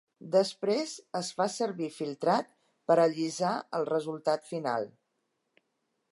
Després es fa servir filtrat per allisar el resultat final.